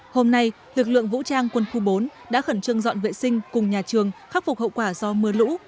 hôm nay lực lượng vũ trang quân khu bốn đã khẩn trương dọn vệ sinh cùng nhà trường khắc phục hậu quả do mưa lũ